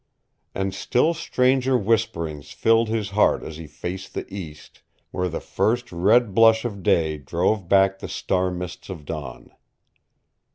And still stranger whisperings filled his heart as he faced the east, where the first red blush of day drove back the star mists of dawn.